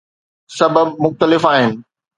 سبب مختلف آهن.